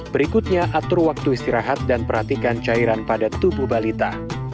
berikutnya atur waktu istirahat dan perhatikan cairan pada tubuh balita